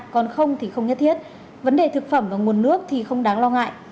còn không thì không nhất thiết vấn đề thực phẩm và nguồn nước thì không đáng lo ngại